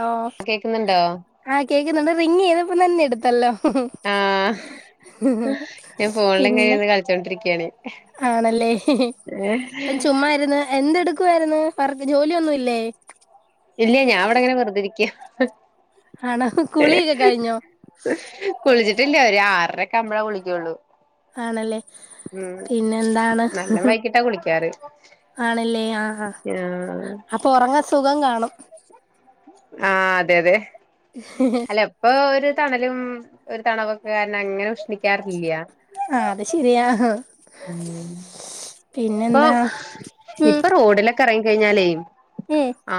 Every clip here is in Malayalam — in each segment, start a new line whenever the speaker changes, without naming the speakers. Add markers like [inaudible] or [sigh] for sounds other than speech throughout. ഓ
കേക്കുന്നുണ്ടോ
ആ കേക്കുന്നുണ്ട് റിങ്ങു ചെയ് നന്നെടുത്തല്ലോ
ആഹ് ഞാൻ ഫോണിലിങ്ങനെ
പിന്നെ
ഇരുന്ന് കളിച്ചോണ്ടിരിക്കയാണ്
ആണല്ലേ ഇപ്പം ചുമ്മാരുന്ന് എന്തെടു ക്കാരുന്നു വർക്ക് ജോലിയൊന്നുല്ലേ
ഇല്ല ഞാവടെങ്ങനെ വെറുതെരിക്കാ ഹ്
ആണാ കുളിയൊക്കെ കഴിഞ്ഞോ
ഇല്ല ഒരു ആറരക്കാവുമ്പഴാ കുളിക്കൂള്ളൂ
ആണല്ലേ പിന്നെ എന്താണ്
നല്ല
ഹ് ഹ്
വൈകിട്ടാ കുളിക്കാറ്
ആണല്ലേ ആ ആ
ആഹ്
അപ്പൊ ഒറങ്ങ സുഖം കാണും [unintelligible]
ആ അതെ യതെ അല്ല എപ്പൊ ഒരു തണലും ഒരു തണവൊക്കെ അങ്ങനെ ഉഷ്ണിക്കാറില്ല്യ
ആ അത് ശരിയാ
പ്പൊ
പിന്നെന്താ ഉം
ഇപ്പൊ റോഡിലൊക്കെ എറങ്ങിക്കഴിഞ്ഞാലെ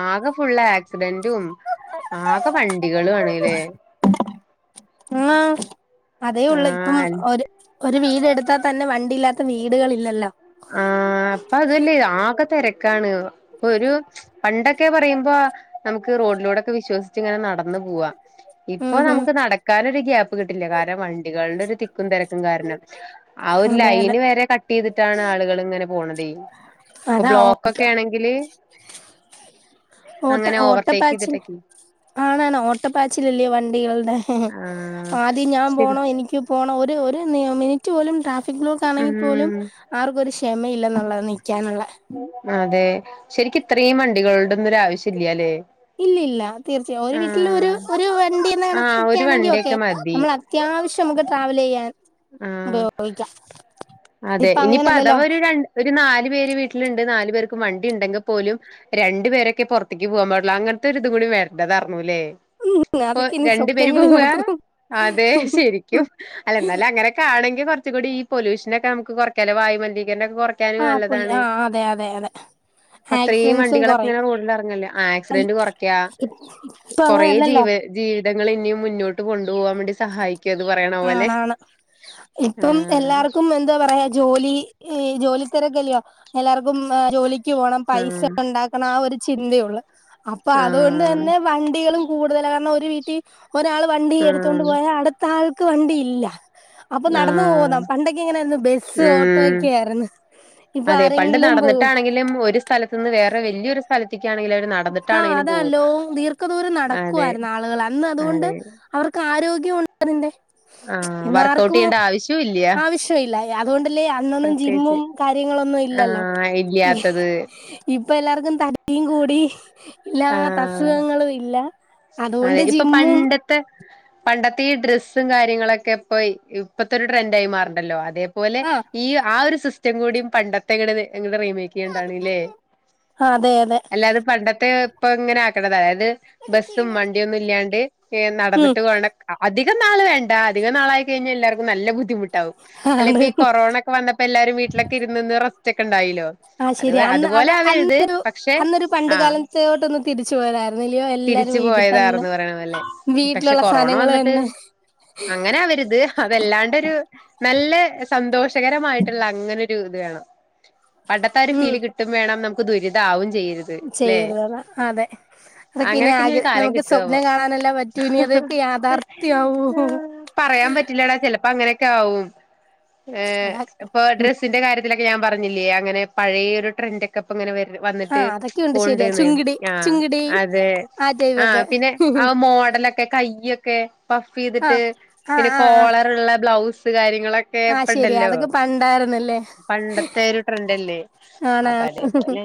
ആകെ ഫുള്ള് ആക് [unintelligible] റ്റും ആകെ വണ്ടികളും ആണ്ല്ലേ
ങ്ങാ അതേ ഒള്ള് ഇപ്പം
ആഹ്
ഒരു ഒരു വീടെടുത്താ തന്നെ വണ്ടിയി ല്ലാത്ത വീടുകളില്ലല്ലോ
ആ പ്പതല്ലേ ആകെതെരക് ക്കാണ് പ്പൊരു പണ്ടൊക്കെ പറയുമ്പോ നമുക്ക് റോഡിലൂടൊക്കെ വിശ്വസിച്ച് ങ്ങനെ നടക് ന്ന്പോവാം ഇപ്പൊ
ഉം ഉം
നമുക്ക് നടക്കാനൊര് ഗ്യാപ് പ്പകിട്ടില്ല കാരണം വൺ കുട്ടികളുടെ ഒരു തിക്കും തിരക്കും കാരണം ആ ഒരു
അതെ അതെ
ലൈന് വരെ കട്ട് ട്ട് ചെയ്തിട്ടാണ് അട് എങ്ങനെ
അതാ ഓട്ട
ആണെങ്കില്
ഓട്ട
അങ്ങനെ ഓവർടേക്ക്
ഓട്ടപ്പാച്ചില്
ചെയ്തിട്ടൊക്കെ
ആണാണ് ഓട്ടപ്പാച്ചിലല്ലയോ വണ്ടികളുടെ ഹ് ഹ്
ആഹ്
ആദ്യം ഞാൻ
ശരി
പോണോ എനിക്ക് പോണോ ഒരു ഒരു നിയ മിനിറ്റ് പോലും ട്രാഫി ബ്ലോക്കാണെങ്കിൽ പോലും
ഉം
ആർക്കൊരു ശ എമയില്ലന്നൊള്ള
അതെ ശരിക്ക് ഇത്രീം വണ്ടികളുടെ ന്നൊരു ആവശ്യല്ലാല്ലേ
ഇല്ലില്ലാ തീർച്ച ഒരു വീട്ടിൽ ഒരു ഒരു വണ്ടീന്ന
ആഹ്
കണക്കൊക്കെ
ഒരു
യാണെങ്കി ഓക്കെ
വണ്ടിയൊക്കെ മതി
നമ്മൾ അത്യാവശ്യം മക്ക് ട്രാവല് ചെയ്യാൻ
ആഹ്
[unintelligible]
അതെ
ഇപ്പൊ
ഇനിപ്പോ
അങ്ങനല്ലല്ലോ
അഥവാ ഒരു രണ്ട് ഒരു നാല് പേര് വീട്ടിലുണ്ട് നാല് പേർക്കും വണ്ടി ഉണ്ടെങ്കിൽ പോലും രണ്ടു പേരൊക്കെ പുറത്തേക്ക് പോകാൻ പാടുള്ളൂ അങ്ങനത്തെ ഒരിതും കൂടി വരണ്ടതാർന്നൂല്ലേ ഇപ്പ
അതൊക്കെ ഇനി
രണ്ടു പേര്
സ്വപ്നങ്ങളിൽ
പോവാ
മാത്രം
അതെ ശരിക്കും അല്ല എന്നാലും അങ്ങനെ ആണെങ്കിൽ ക്ക് കുറച്ചും കൂടി ഈ പൊല്യൂഷൻ നൊക്കെ നമ്മക്ക് കുറക്കാല്ലോ വായും മലിനീ കരണം ഒക്കെ
ആ
കുറക്കാനും
പുള്ളി
നല്ലതാണ്,
ആ അതെ അതെ അതെ
അത്രയും
ആക്സിഡൻസും
വണ്ടികളൊക്കെ
കുറയും
ഇങ്ങനെ റോഡിൽ ഇറങ്ങല്ലേ
ഇ-
ആക്സിഡന്റ് കുറക്കാ,
ഇപ്പൊ
കൊറെ
അങ്ങനെയല്ലല്ലോ
ജീവൻ ജീവിത ങ്ങൾ ഇനിയും മുന്നോട്ട് പോണ തു പോവാൻ വേണ്ടി സഹായിക്കാണ് പറയണ പോലെ
ആണാണ്
ആ
ഇപ്പം എല്ലാവർക്കും എന്താ പറയാ ജോലി ഇ ജോലി തിരക്ക് അല്ലെയോ എല്ലാർക്കും ആ ജോലി ജോലിക്ക് പോണം പൈസ
ആഹ്
ഉണ്ടാക്കണം ആ ഒരു ചിന്തയുള്ളൂ അപ്പൊ അതുകൊണ്ട്
ആഹ്
തന്നെ വണ്ടികളും കൂടുതലാ കാരണം ഒരു വീട്ടി ഒരാൾ വണ്ടി എടുത്തു എടുത്തോണ്ട് പോയ
ആഹ്
അടുത്ത ആൾക്ക് ആൾക്ക് വണ്ടിയില്ല
ആഹ്
ബസ് ഓട്ടോ
ഉം
ഒക്കെ ആയിരുന്നു ഇപ്പൊ
അതെ പണ്ട്
ആരെങ്കിലും പോവും
നടന്നിട്ടാണെങ്കിലും ഒരു സ്ഥലത്തു നിന്ന് വേറെ വലിയൊരു സ് സ്ഥലത്തിക്ക്
ആഹ് അതാ ലോങ് ദീർഘദൂരം
അതെ
നടക്കുവായിരുന്നു ആളുകൾ അന്ന് അതുകൊണ്ട്
അതെ
അവർക്ക് ആരോഗ്യം ഗ്യവുണ്ട് അതിൻ്റെ
ആഹ് വർക്കഔട്ട്
ഇന്നാർക്കും
ചെയ്യേണ്ട ആവശ്യവും ഇല്ല
ആവശ്യമില്ല അതുകൊണ്ടല്ലേ അന്നൊന്നും
പ്രത്യേകിച്ച്
ജിമ്മും കാര്യങ്ങളൊന്നും ഇല്ലല്ലോ
ആഹ്
ഈ
ഇല്ലാത്തത്
ഇപ്പൊ ഇപ്പ എല്ലാവർക്കും തടിയും കൂടി ഹ് ഇല്ലാത്ത
ആഹ്
അസുഖങ്ങളും ഇല്ല അതുകൊണ്ട്
അതെ ഇപ്പൊ
ജിമ്മും
പണ്ടത്തെ പണ്ടത്തെ ഈ ഡ്രസ്സും കാര്യങ്ങളൊക്കെ ഇപ്പൊ ഇപ്പഴത്തെ ഒരു ട്രെൻഡ് ആയി മാറണ്ടല്ലോ അതെ പോലെ
ആഹ്
അതേപോലെ ഈ ആ ഒരു സിസ്റ്റ ച്ചും കൂടി പണ്ടത്തെങ്ങട് ങ്ങടെ റീമേക്ക് ചെയ്യണ്ടാണ്ല്ലേ
അതെ അതെ
അല്ലാതെ പണ്ടത്തെ തങ്ങനെ ആക്കണതാ ത് ബസ്സും വണ്ടിയൊന്നും ഇല്ലാണ്ട് ഏഹ്
ഉം
നടന്നിട്ട് പോണ ആദ്യക്കെ അധികൊന്നും ആൾ വേണ്ട അധികാനാളായിക്കഴിഞ്ഞ എല്ലാവർക്കും നല്ല ബുദ്ധിമുട്ട് ട്ടാവും അല്ല
ആണ്
ഇപ്പോ ഈ കൊറോണ ഒക്കെ വന്നപ്പോ എല്ലാരും വീട്ടിലൊക്കെ ഇരുന്ന് നിറ
ആ ശരി അന്ന് അത്
ആവരുത്
അന്നൊരു
പക്ഷെ
അന്നൊരു പണ്ട്
ആഹ്
കാലത്തോട്ട ഒന്ന്
തിരിച്ചു
തന്നെ
പോയതാർന്ന് പറയണ പോലെ പക്ഷെ
വീട്ടിലുള്ള
കൊറോണ
സാധനങ്ങൾ
വന്നിട്ട്
തന്നെ
അങ്ങനെ അവരീത് അതല്ലാണ്ടൊരു നല്ല സന്തോഷകരമായിട്ടുള്ള അങ്ങനൊരു ത് ഇത്വേണം പണ്ടത്തെ ഒരു
ഉം
ഫീല് കിട്ടും വേണം നമു ക്ക്‌ ദുരിതാവും ചെ ചെയ്യരുത് അല്ലെ
ചെയ്യരുതതാ അതെ അതൊക്കെ ഇനി ആഗ്രഹ നമുക്ക്
കിട്ടുവാവോ
സ്വപ്നം കാണാനെല്ലേ പറ്റൂ ഇനി അതൊക്കെ യാഥാർഥ്യമാവോ
ക്കാവും ഏ ഇപ്പൊ ഡ്രസിന്റെ കാര്യ തിലെക്കെ ഞാൻ പറഞ്ഞില്ലേ അങ്ങനെ പഴേ ഒര് ട്ട്രന്റെക്കെപ്പംങ്ങനെ വര്
ആ
വന്നിട്ട്
അതൊക്കെയുണ്ട് ശരിയാ
പോണ്ട്ന്ന്
ചുങ്കിടി
ആഹ്
ചുങ്കിടി
അതെ
ആ
ആഹ്
ടൈമൊക്കെ
പിന്നെ ആഹ് മോഡലെക്കെ കൈയ്യൊ ക്കെ വഫ്
ആ
ഈതിട്ട്
ആ
പിന്നെ
ആ ആ
കോളർ ഇള്ള ബ്ലൗസ് ട്ട് കാരിം ഇങ്ങളൊക്കെ
ആ ശരിയാ
ഇപ്പണ്ടല്ലോ?
അതൊക്കെ പണ്ടായിരുന്നല്ലേ
പണ്ടത്തെ ഒരു ട്രെൻഡല്ലേ. അപ്പൊ
ആണാണ്
അതേപോലെ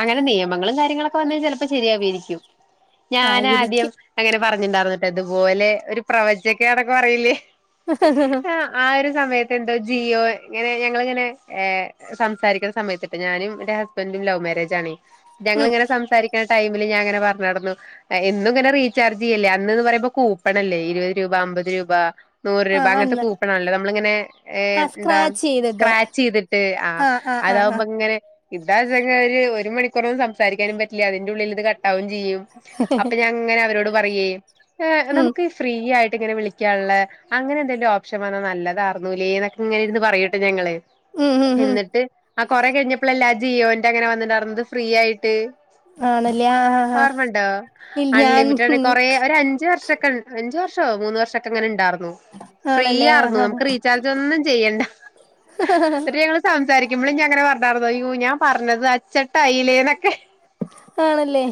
അങ്ങനെ നിയമങ്ങളും കാര്യങ്ങളും പണ്ണ് ചെലപ്പം ശരിയാവയിരിക്കും
ആ എനിക്ക്
ഞാനാദ്യം അങ്ങനം പറഞ്ഞിണ്ടാവത്‌ ഇതുപോലെ ഒര് പ്രവജഗക്കെന്നൊക്കെപറയില്ലേ ആഹ് ആഹ് ഒരു സമയത് എന്തൊ ജിയോ ഇങ്ങനെ ഞങ്ങളങ്ങനെ ഏഹ് സംസാരിക്കുന്ന സമയത്ത് ഞാനും എന്റെ ഹസ്ബൻറും ലൗ മേരേജ് ആണ്
ഉം
ഞങ്ങള്ങ്ങനെ സം സംസാരിക്ക്ണ ടൈമില് ഞാങ്ങനെ പറ്ഞ്ഞ് നടന്നു. എന്നും ഇങ്ങനെ റീചാർജ് ചെയ്യല്ലേ. അന്ന്ന്ന് പറയുമ്പോ കൂപ്പണല്ലേ ഇരുപത് രൂപ, അമ്പത് രൂപ, നൂറ്
ആ
രൂപ അങ്ങൻത്തെ
അന്ന്
കൂപ്പണാണല്ലോ നമ്മളിങ്ങനെ
ആ
എം എന്താ
സ്ക്രാച്ച് ചെയ്തിട്ട്
സ്ക്രാച്ച് ചെയ്തിട്ട് ആഹ്
ആ ആ ആ ആ
അതികുമ്പോ ഇങ്ങനെ ഇതാ [unintelligible] ഒര് മണി ഇത്ര ഉം സംസാരിക്കാനും പറ്റ് ഇല്യ അതിന്റെ ഉള്ളില് ഇത് കട്ടാവും ചെയ്യും അപ്പൊ ഞാൻ ഇങ്ങനെ അവരോട് പറയേ ഏഹ്
ഉം
നമുക്ക് ഫ്രീ ആയി ട്ടിങ്ങനെ വിളിക്കാള്ളെ അങ്ങനെന്തെലും ഓപ്ഷൻ വന്നാ നല്ലതാർന്നൂലേ എന്നൊക്കെ ഇങ്ങനിരുന്ന് പറയൂട്ട ഞങ്ങള്
ഉം ഉം ഉം
എന്നിട്ട് ആ കൊറേകഴിഞ്ഞപ്പളല്ലേ അ ജിയോന്റെ അങ്ങനെ വന്നിണ്ടായിരിന്നത് ഫ്രീ ആയിട്ട്
ആണല്ലേ ആ ആ ആ
ഓർമ്മെണ്ടോ
ഇൽ ഞാൻ
അൺലിമിറ്റഡ് കൊറേ ഒരഞ്ച് വർഷ ക്കണ്ട് അഞ്ച് വർഷോ മൂന്ന് വർഷൊക്കെ അങ്ങന ഇണ്ടാർ ന്നു
ആണല്ലേ ആ
ഫ്രീയാർന്നു
ആ
നമുക്ക് റീചാർജ് ഒന്നും ചെയ്യണ്ട എന്നിട്ട് ഞങ്ങള് സംസാരി ക്കുമ്പളും ഞാനങ്ങനെ പറഞ്ഞായിരുന്നു അയ്യോ ഞാൻ പറഞ്ഞത് അച്ചട്ടായില്ലേ എന്നക്കെ
ആണല്ലേ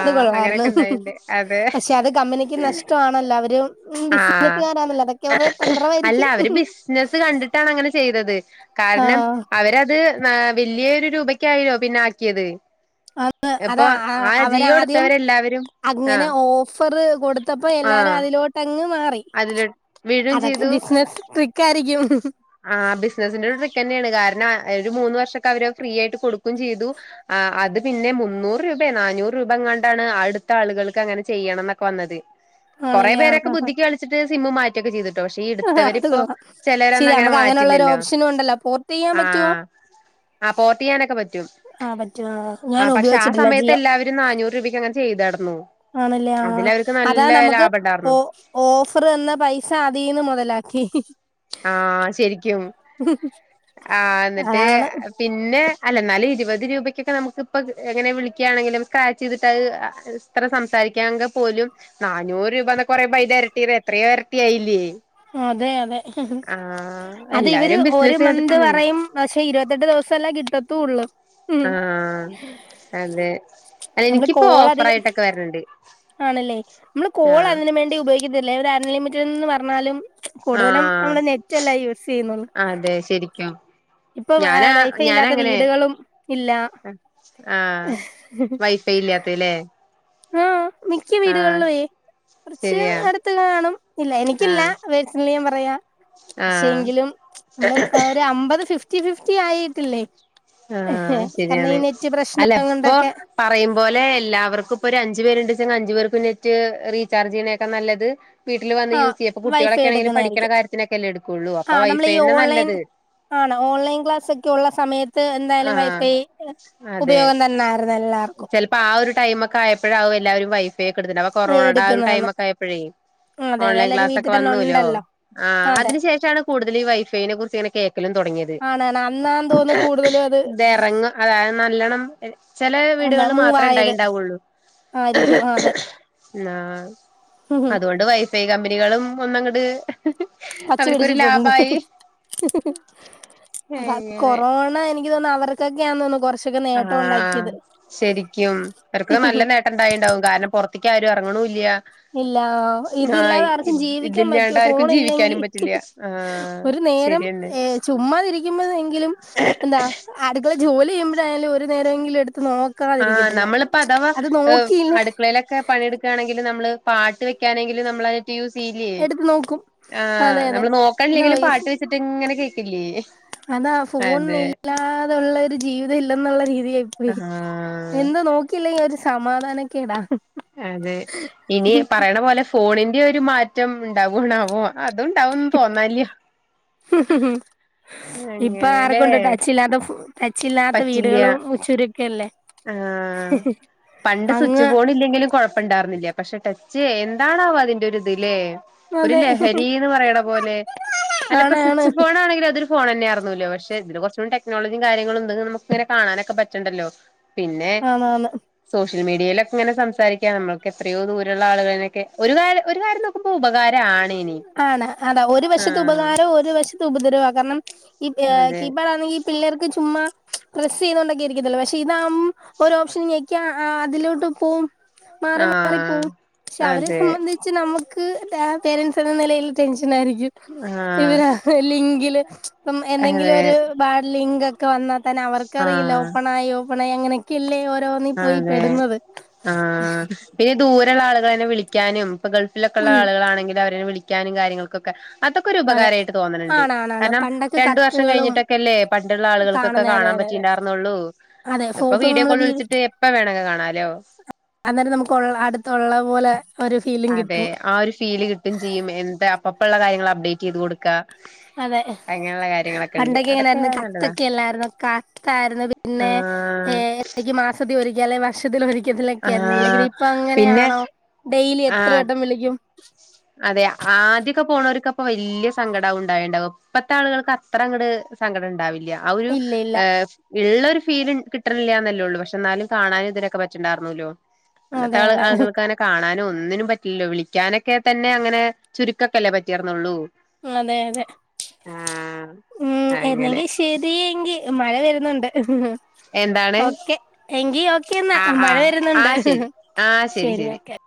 അത് കൊള്ളായിരുന്നു
അങ്ങനെയൊക്കെ ഇണ്ടായിണ്ട് അത്
പക്ഷെ അത് കമ്പനിക്ക് നഷ്ടമാണല്ലോ അവര്
ആഹ്
ബിസിനസുകാരാണല്ലോ അതൊക്കെ അവരുടെ
അല്ല
തന്ത്രമായിരിക്കും
അവര് ബിസിനസ്സ് കണ്ടിട്ടാണ് അങ്ങനെ ചെയ്തത് കാരണം
ആ
അവരത് ആ വലിയൊരു രൂപയ്ക്കായിലൊ പിന്നെ ആക്കിയത്
അന്ന്
ഇപ്പൊ
അതാ ആ
ജിയോ
അവരാദ്യം
എടുത്തവരെല്ലാവരും
അങ്ങനെ
ആഹ്
ഓഫറ് കൊടുത്തപ്പോ എല്ലാരും
ആഹ്
അതിലോട്ടങ്ങ് മാറി
അതില്
അതക്കെ ബിസിനെസ് ട്രിക്ക
ആഹ് ബിസിനസിന്റെ ഒരു ട്രിക്കന്നേണ് കാര ണ ഒരു മൂന്ന് വർഷൊക്കെ അവര് ഫ്രീ ആയിട്ട് കൊടുക്കേം ചെയ്തു ആ അത് പിന്നെ മുന്നൂറ് രൂപയാ നന്നൂറ് രൂപയെങ്ങാണ്ടാണ് അടുത്ത ആളുകൾക്ക് അങ്ങനെ ചെയ്യണംന്നൊക്കെ വന്നത് കൊറേ
ആണല്ലേ ആഹ്
പേരൊക്കെ
ആഹ്
ബുദ്ധിക്ക് കളിച്ചിട്ട് സിമ്മ് മാറ്റൊക്കെ ചെയ്ത് പക്ഷെ ഈ
ആഹ് അത്
യെടുത്തവരിപ്പോ-
കൊള്ളാം
ചിലരൊന്നും
ശരി
അങ്ങനെ
നമുക്ക് അങ്ങനെയുള്ള ഒരു
മാറ്റില്ലല്ലോ
ഓപ്ഷനും ഉണ്ടല്ലോ പോർട്ട് ചെയ്യാൻ പറ്റുവോ
ആഹ് ആ പോർട്ട് ചെയ്യാനൊക്കെ പറ്റും.
ആഹ് പറ്റും ആഹ് ഞാൻ
ആ പക്ഷെ ആ
ഉപയോഗിച്ചിട്ടില്ല
സമയത്ത്
ജിയോ
എല്ലാവരും നാനൂറ് രൂപയ്ക്കങനെ ചെയ്തടന്നു.
ആണല്ലേ ആ അതാ നമുക്ക്
ലാഭം ഉണ്ടായിരുന്നു
ഓഫർ തന്ന പൈസ അതീന്ന് മുതലാ
ആഹ് ശരിക്കും ആഹ് എന്നിട്ട്
അതാണ്
പിന്നെ അല്ല എന്നാലും ഇരുപത് രൂപക്കൊക്കെ നമുക്ക് ഇപ്പ എങ്ങനെ വിളിക്കുകയാണെങ്കിലും സ്ക്രാച്ച് ചെയ്തിട്ട് അ ഇത്ര സംസാരിക്കാങ്കി പോലും നാന്നൂറ് രൂപ എന്ന കൊറേ പൈ ഇരട്ടി എത്രയോ ഇരട്ടി ആയില്ലേ
അതെ അതെ അത് ഇവര്
എല്ലാവരും
ഒരു
ബിസിനസ്
മന്ത്
കണ്ടിട്ടല്ലേ
പറയും പക്ഷെ ഇരുപത്തെട്ട് ദിവസം എല്ലാം കിട്ടും. തൂള്ള്
ആഹ് അതെ അല്ല
നമ്മള്
എനിക്കിപ്പോ
കോൾ അധികം
ഓഫറായിട്ടൊക്കെ വരണണ്ട്
ആണല്ലേ നമ്മള് കോൾ
ആഹ്
അതിന് വേണ്ടി ഉപയോഗിക്കത്തിലേ- അൺലിമിറ്റഡ് എന്ന് പറഞ്ഞാലും കൂടുതലും
ആഹ്
നമ്മുടെ നെറ്റല്ല യൂസ് ചെയ്യുന്നുള്ളു
അതെ ശരിക്കും
ഇപ്പൊ
ഞാനാ
വൈഫൈ ഇല്ലാത്ത
ഞാനങ്ങനെ
വീടുകളും ഇല്ല.
ആഹ് വൈഫൈ ഇല്ലാത്തല്ലേ
ആഹ് മിക്ക
ആഹ്
വീടുകളിലും യ് കുറച്ച്
ശരിയാ
അടുത്ത് കാണും ഇല്ല എനിക്കില്ല
ആഹ്
[unintelligible] ഞാൻ പറ [unintelligible] പക്ഷെ
ആഹ്
എങ്കിലും നമ്മള്പ്പോ ഒരു അമ്പത് ഫിഫ് ഫിഫ്റ്റി ഫിഫ്റ്റി ആയിട്ടില്ലേ
ആഹ്
കാരണം ഈ
ശരിയാണ്
നെറ്റ്
അല്ല
പ്രശ്നം
ഇപ്പൊ
കൊണ്ടൊക്കെ
പറയും പോലെ എല്ലാവർക്കും ഇപ് ഇപ്പൊരു അഞ്ചു പേരുണ്ട്ച്ച്അഞ്ച് പേർക്കും നെറ്റ് റീചാർജ് ചെയ്യണേക്കാ നല്ലത് വീട്ടില് വന്ന്
ആ
യൂസ് ചെയ്യ ഇപ്പൊ
വൈഫൈ
കുട്ടികളൊക്കെ ആണെങ്കിലും പഠിക്കണ
എടുക്കുന്നതായിരിക്കും
കാര്യത്തിനൊക്കെ അല്ലേ എടുക്കുള്ളൂ
ആ
അപ്പൊ
നമ്മൾ ഈ
വൈഫൈന്നെ
ഓൺലൈൻ
നല്ലത്
ആണ് ഓൺലൈൻ ക്ലാസൊക്കെ ഒള്ള സമയത്ത് എന്തായാലും
ആഹ്
വൈഫൈ
അതെ
ഉപയോഗം തന്നായിരുന്നു എല്ലാർക്കും
ചെലപ്പോ ആ ഒരു ടൈം ഒക്കെ ആയപ്പോഴാവും എല്ലാവും വൈഫ് ക്കെ എടുത്തിണ്ടാവാ അപ്പൊ കൊറോണയുടെ ആ ഒരു
എടുക്കുന്നന്ന്
ടൈമക്ക ആയപ്പോഴേ
അതെ അതെ
ഓൺലൈൻ
എല്ലാരും
ക്ലാസ് ഒക്കെ
വീട്ടിൽ തന്നെ
വന്നൂല്ലോ
ഉണ്ടല്ലോ
ആ
അതെ
അതിന് ശേഷാണ് കൂടുതൽ ഈ വൈഫൈനെ കുറിച്ച് ഇങ്ങനെ കേക്കലും തുടങ്ങിയത്
ആണാണ് അന്നാന്ന് തോന്നുന്നു കൂടുതലും അത്
ഇത് ഇറങ്ങും അതായ നല്ലതാ ചെല
എന്താ
വീടുകളിൽ മാത്രേ
മൂവായത്
ഉണ്ടായിണ്ടാവുള്ളൂ
ആയിരിക്കും അതെ
ആ അതുകൊണ്ട് വൈഫൈ [unintelligible] കമ്പനികളും ഒന്നങ്ങട്
പച്ച
അവർക്കൊരു
പിടിച്ചിട്ടുണ്ട്
ലാഭായി എങ്ങനെ
കൊറോണ എനി തോന്നുന്നു അവർക്കൊക്കെയാ
ആഹ ശരിക്കും അവർക്ക് നല്ല നേട്ടം ഉണ്ടായിണ്ടാവും കാരണം പുറത്ത് ത്തിക്കാരും ഇറങ്ങണൂല്ല്യ
ഇല്ല ഇതില്ലാതെ ആർക്കും ജീവിക്കാൻ
ഇതില്ലാണ്ട്
പറ്റോ
ആർക്കും
ഫോൺ
ജീവിക്കാനും
ഇല്ലെങ്കിൽ
പറ്റില്ല ആ
ഒരു നേരം
ശരിയന്നെ
ഏ ചുമ്മാതിരിക്കുമ്പോഴങ്കിലും എന്താ അടുക്കള ജോലി ചെയ്യുമ്പൊഴായാലും ഒരു നേരംങ്കിലും എടുത്ത്
ആഹ
നോക്കാതിരിക്കത്തില്ല
നമ്മളിപ്പോ അഥവാ
അത് നോക്കിയില്ലേ
അടുക്കളയിലൊക്കെ പണിയെടുക്കയാണെങ്കിൽ നമ്മള് പാട്ട് വെക്കാനെങ്കിലും നമ്മളത് യൂസയ്യിലെ
എടുത്ത് നോക്കും
ആ
അതെ അതെ
നമ്മള്
അതാ
നോക്കാൻല്ലെങ്കിലും
വൈഫ്
പാട്ട് വെച്ചിട്ട് ഇങ്ങനെ ത്തില്ലേ
അതാ ഫോൺ ഇല്ലാതുള്ളൊരു ജീവിതം ഇല്ലെന്നുള്ള രീതി യായിപ്പോയി.
ആഹ്
എന്താ നോക്കിയില്ലേ സമാധാനൊക്കെടാ
അതെ ഇനി പറയണ പോലെ ഫോണിന്റെ ഒരു മാറ്റം ഉണ്ടാവാണാവോ അതുംണ്ടാവുംന്ന് തോന്നാല്ല്യ
ഹ ഹ ഹ ഇപ്പൊ
അങ്ങനെല്ലേ
ആർക്കുണ്ട്ട്ടച്ചില്ലാത്ത ട്ടച്ചില്ലാത്ത വീടുകളും ചുരു [unintelligible]
ആഹ പണ്ട് സ്വിച്ച്
അങ്ങ്
ബോർഡ് ഇല്ലെങ്കിലും കൊഴപ്പുണ്ടായിരുന്നില്ല പക്ഷെ ടച്ച് ചേ എന്താണാവോ അതിന്റെ ഒരിത് ലേ ഒരു
അതെ
ലഹരീന്ന് പറയണ പോലെ അല്ലപ്പ
ആണ് ആണ്
സ്വിച്ച് ഫോൺ ആണെങ്കിൽ അതൊ ഫോൺന്നെയായിർന്നൂരല്ലോ പക്ഷെ ഇതില് കുറച്ചൂടെ ടെക്നോളജിയും കാര്യങ്ങളും ഇത് നമക്ക് ഇങ്ങനെ കാണാനൊക്കെ പറ്റണ്ട്ല്ലോ പിന്നെ
ആന്നാന്ന്
സോഷ്യ ൽ മീഡിയയിലൊക്കെ ഇങ്ങനെ സംസാരിക്കാ നമ്മൾക്ക് എത്രയോ ദൂരുള്ള ആളുകളൊക്കെ ഒരു കാര്യം കാര്യം നോക്കുമ്പ ഉപകാരാണ് ഇനി
ആണ് അതാ ഒരു വശത്ത്
ആഹ്
ഉപകാരവും ഒരു വശത്ത് ഉപദ്രവവും [unintelligible] ഈ
അതെ
കീപാഡ് ആണെങ്കിൽ പിള്ളേർക്ക് ചുമ്മാ പ്രസ്സ് ചെയ്തോണ്ടൊക്കെ ഇരിക്കത്തില്ലേ പക്ഷെ ഇതാവുമ്പോ ഒരു ഓപ്ഷൻഞെക്കിയാ അതിലോട്ട് പോവും മാറി മാറി
ആഹ്
പോവും പക്ഷെ അവരെ
അതെ
സംബന്ധിച്ച് നമ്മ [unintelligible] ന്ന നിലയിൽ ടെൻഷ നായിരിക്കും ഇവര്
ആഹ്
ലിങ്കില് എന്തെങ്കിലും
അതെ
ഒരു ബാഡ് ലിങ്ക- ഒക്ക വന്ന- തന്നെ അവർക്കറിയില്ല
ആഹ്
ഓപ്പൺ ആയോ ണായ അങ്ങനൊക്കെയല്ലേ
അതെ ആ പിന്നെ ദൂര- യുള്ള ആളുകലിൽ വിളിക്കാനും ഇ ഗൾഫിലൊക്കുള്ള
ഉം
ആളുകാണെങ്കിൽ അവരെ വിളി ക്കാനും കാര്യങ്ങൾക്കൊക്കെ അതൊക്കെ ഒരു
അതെ
ഉപകാരമായിട്ട് തോന്നണുണ്ട്
ആണാണാണ്
കാരണം
പണ്ടൊക്കെ
രണ്ടു വർഷം
കത്തുകളും
കഴിഞ്ഞിട്ടൊക്കെല്ലേ പണ്ടുള്ള ആളുകൾക്കൊക്കെ
കാണുന്ന അതെ
കാണാൻ
അതെ അതെ
പറ്റിയിണ്ടായിർന്നള്ളൂ
അതെ
ഇപ്പൊ
സോപ്പ്
വീഡിയോ
നമ്മള്
കോൾ
വീ
വിളിച്ചി
അന്നേരം നമുക്ക് ഉള്ള അടുത്തുള്ള പോലെ ഒരു ഫീലും
അതെ
കിട്ടും
ആ ഒരു ഫീല് കിട്ടും ചെയ്യും എന്താ അപ്പപ്പുള്ള കാര്യങ്ങള് അപ്ഡേറ്റ് യ്ത് കൊടുക്ക
അതെ
ഉണ്ട്
പണ്ടൊക്കെ
അതൊക്കെ
എങ്ങനൊയിരുന്നു
നല്ലതാ
കത്തൊക്കെയല്ലായിരുന്നോ കത്തായിരുന്നു പിന്നെ ഏ
ആഹ്
എടയ്ക്ക് മാസത്തി ഒരി- ക്കലെ വർഷത്തിലൊരി- ക്കലൊക്കെ ആയിരുന്നു വിളിക്കത്
ആഹ്
ഇപ്പൊ
പിന്നെ
അങ്ങനെയാണോ ഡെയിലി എത്ര
ആഹ്
വട്ടം വിളിക്കും
അതെ ആദ്യൊക്കെ പോണോർക്കപ്പോ വല്ല്യ സങ്കടവും ഉണ്ടായി ണ്ടാവും ഇപ്പത്തെ ആളുകൾക്ക് അത്ര അങ്ങട് സങ്കടം ഉണ്ടാവില്ല്യ ആ ഒരു
ഇല്ല ഇല്ല
ഏ ഉള്ള ഒരു ഫീല് കിട്ടണില്ല എന്നല്ലേള്ളൂ പക്ഷെ എന്നാലും കാണാനും ഇതിനൊക്കെ പറ്റണ്ടായിർന്നൂല്ലോ അന്നത്തെ
അതെ
ആ
അതെ
ആളുകൾക്കങ്ങനെ കാണാനും ഒൻ - ന്നിനും പറ്റില്ലല്ലോ വിളിക്കാനൊ- ഒക്കെ തന്നെ അങ്ങനെ ചുരുക്കൊക്കെ അല്ലേ പറ്റിയിറന്നള്ളൂ
അതെ അതെ ഉം
അങ്ങനെ
എന്നെങ്കിൽ ശരിയെങ്കിൽ മഴ വരുന്നു- ണ്ട്
എന്താണ്
ഓക്കെ എങ്കി ഓക്കെന്നാ
ആഹ്
മഴ
ആഹ്
വരുന്നുണ്ട്
ആഹ് ശരി ആഹ്
ശരി ഓക്കെ.